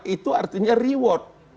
itu artinya reward